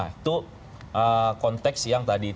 itu konteks yang tadi